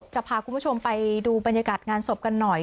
จะพาคุณผู้ชมไปดูบรรยากาศงานศพกันหน่อย